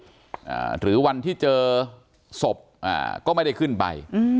อ่าหรือวันที่เจอศพอ่าก็ไม่ได้ขึ้นไปอืม